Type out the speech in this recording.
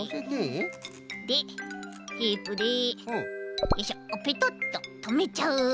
でテープでよいしょペトッととめちゃう。